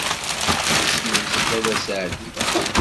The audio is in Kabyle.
Isem-is Lalla Seɛdiya.